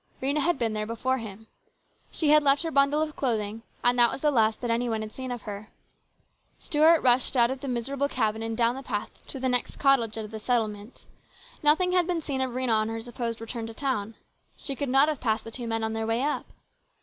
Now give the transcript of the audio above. Rhena had been there before him. She had left her bundle of 188 HIS BROTHER'S KEEPER. clothing, and that was the last that any one had seen of her. Stuart rushed out of the miserable cabin and down the path to the next cottage of the settlement. Nothing had been seen of Rhena on her supposed return to town. She could not have passed the two men on their way up.